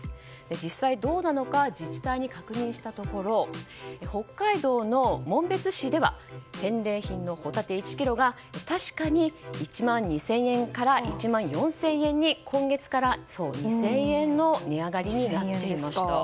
実際、どうなのか自治体に確認したところ北海道の紋別市では返礼品のホタテ１ｋｇが確かに１万２０００円から１万４０００円に今月から２０００円の値上がりになっていました。